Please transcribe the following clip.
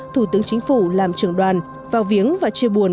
thủ tướng chính phủ làm trưởng đoàn vào viếng và chia buồn